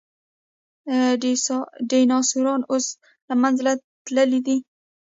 ډیناسورونه اوس له منځه تللي دي